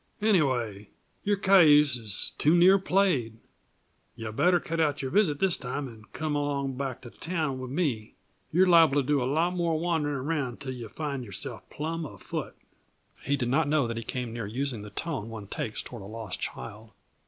Anyway, your cayuse is too near played; yuh better cut out your visit this time and come along back to town with me. You're liable to do a lot more wandering around till yuh find yourself plumb afoot." He did not know that he came near using the tone one takes toward a lost child.